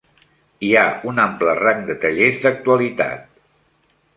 Hi ha un ample rang de tallers d'actualitat.